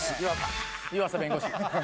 「湯浅弁護士」